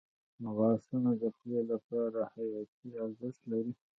• غاښونه د خولې لپاره حیاتي ارزښت لري.